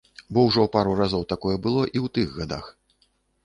Бо ўжо пару разоў такое было і ў тых гадах.